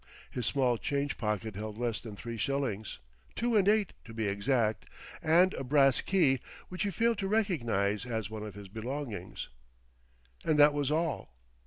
His small change pocket held less than three shillings two and eight, to be exact and a brass key, which he failed to recognize as one of his belongings. And that was all.